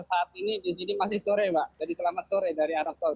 saat ini di sini masih sore mbak jadi selamat sore dari arab saudi